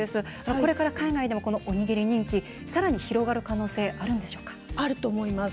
これから海外でもおにぎり人気さらに広がるあると思います。